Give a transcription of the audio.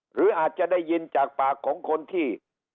หรืออาจจะได้ยินจากปากของคนที่